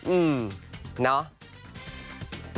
อืมเนาะ